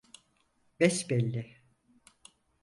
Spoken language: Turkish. Besbelli.